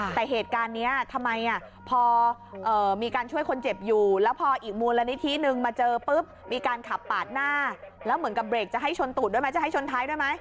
แต่เหตุการณ์นี้ทำไมพอมีการช่วยคนเจ็บอยู่แล้วพออีกมูลนิธินึงมาเจอปุ๊บมีการขับปาดหน้าแล้วเหมือนกับเบรกจะให้ชนตูดด้วยไหมจะให้ชนท้ายด้วยไหม